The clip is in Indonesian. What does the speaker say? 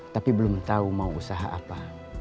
tapi belum tahu mau usaha apa